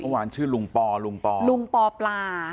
เมื่อวานชื่อลุงปอลุงปอลุงปอปลา